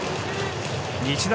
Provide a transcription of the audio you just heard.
日大